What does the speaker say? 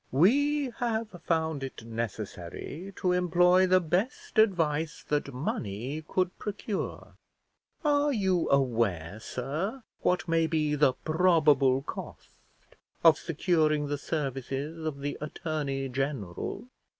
"We have found it necessary to employ the best advice that money could procure. Are you aware, sir, what may be the probable cost of securing the services of the attorney general?"